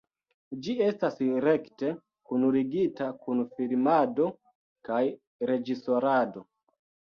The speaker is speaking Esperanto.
Ĝi estas rekte kunligita kun filmado kaj reĝisorado.